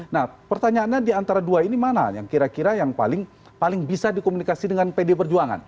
nah pertanyaannya di antara dua ini mana yang kira kira yang paling paling bisa dikomunikasi dengan pdip berjuangan